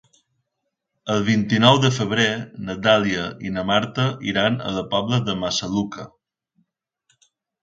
El vint-i-nou de febrer na Dàlia i na Marta iran a la Pobla de Massaluca.